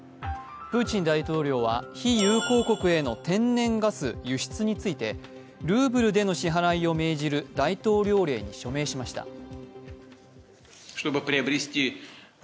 プーチン大統領は非友好国への天然ガス輸出についてルーブルでの支払いを命じる大統領令に署名しました。